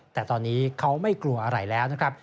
แต่ตอนนี้เขาไม่กลัวอะไรแล้วนะครับ